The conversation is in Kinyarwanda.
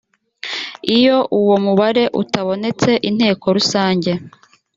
iyo uwo mubare utabonetse inteko rusange